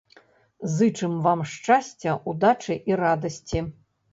Зычым вам шчасця, удачы і радасці!